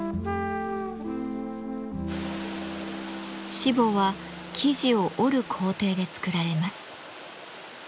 しぼは生地を織る工程で作られます。